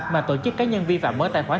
mà tổ chức cá nhân vi phạm mở tài khoản